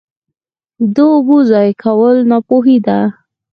د اوبو ضایع کول ناپوهي ده.